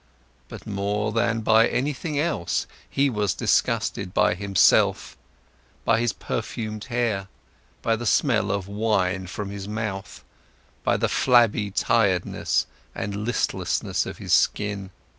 But more than by anything else, he was disgusted by himself, by his perfumed hair, by the smell of wine from his mouth, by the flabby tiredness and listlessness of his skin.